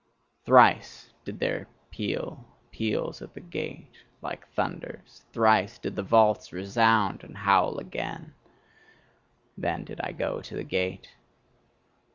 Thrice did there peal peals at the gate like thunders, thrice did the vaults resound and howl again: then did I go to the gate.